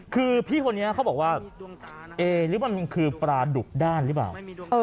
คือพี่คนนี้เขาบอกว่าเอ๊หรือมันคือปลาดุกด้านหรือเปล่า